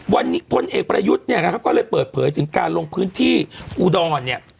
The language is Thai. วันนี้พลเอกประยุทธ์เนี่ยนะครับก็เลยเปิดเผยถึงการลงพื้นที่อุดรเนี่ย